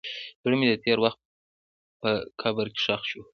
زړه مې د تېر وخت په قبر کې ښخ شو.